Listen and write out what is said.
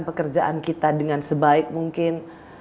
pekerjaan kita dengan sebaik mungkin